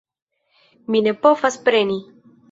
Mi ne povas preni!